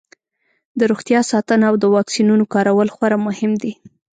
د روغتیا ساتنه او د واکسینونو کارول خورا مهم دي.